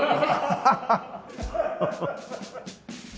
ハハハハ！